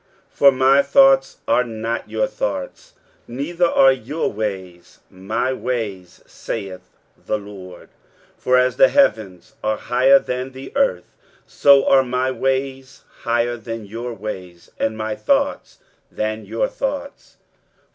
23:055:008 For my thoughts are not your thoughts, neither are your ways my ways, saith the LORD. 23:055:009 For as the heavens are higher than the earth, so are my ways higher than your ways, and my thoughts than your thoughts.